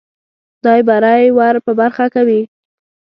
خدای بری ور په برخه کوي.